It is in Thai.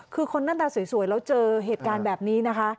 คือคนหน้าตาสวยแล้วเจอเหตุการณ์แบบนี้นะคะ